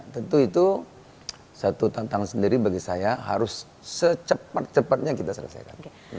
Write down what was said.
tentu itu satu tantangan sendiri bagi saya harus secepat cepatnya kita selesaikan